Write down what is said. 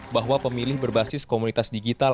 bahwa pemilih berbasis komunitas digital